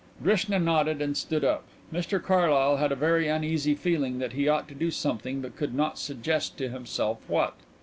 Drishna nodded and stood up. Mr Carlyle had a very uneasy feeling that he ought to do something but could not suggest to himself what.